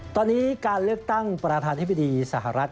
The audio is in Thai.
ตอนนี้การเลือกตั้งประธานธิบดีสหรัฐ